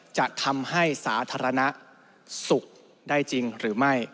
จะทำให้สาธารณสุขได้จริงหรือไม่